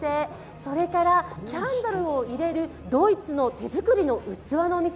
それから、キャンドルを入れるドイツの手作りの器のお店。